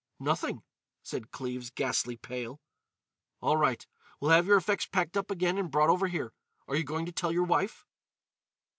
"Nothing," said Cleves, ghastly pale. "All right. We'll have your effects packed up again and brought over here. Are you going to tell your wife?"